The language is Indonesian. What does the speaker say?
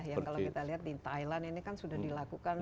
yang kalau kita lihat di thailand ini kan sudah dilakukan